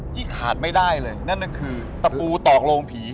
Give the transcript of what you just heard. ขาดไม่ได้เลยนั่นก็คือตะปูตอกโรงผี